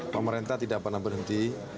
pemerintah tidak pernah berhenti